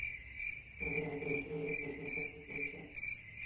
三叶小瓷蟹为瓷蟹科小瓷蟹属下的一个种。